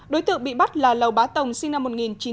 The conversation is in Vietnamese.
đối tượng bị bắt là lầu bá tồng sinh năm một nghìn chín trăm tám mươi